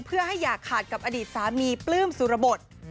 เพื่อให้อย่าขาดกับอดีตสามีปลื้มสุรบท